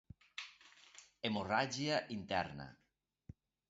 Hemorràgia Interna: